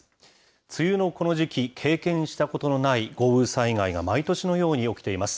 梅雨のこの時期、経験したことのない豪雨災害が毎年のように起きています。